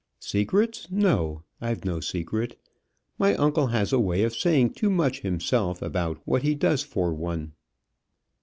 "Secrets, no; I've no secret. My uncle has a way of saying too much himself about what he does for one."